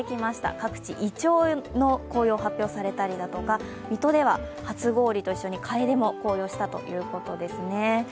各地、いちょうの紅葉が発表されたりとか水戸では初氷と一緒にかえでも紅葉したようですね。